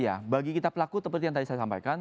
ya bagi kita pelaku seperti yang tadi saya sampaikan